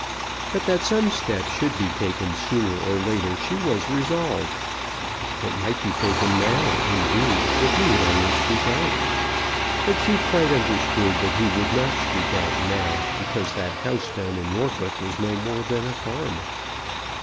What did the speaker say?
But that some step should be taken sooner or later she was resolved. It might be taken now, indeed, if he would only speak out. But she quite understood that he would not speak out now because that house down in Norfolk was no more than a farm.